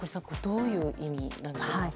どういう意味なんでしょうか。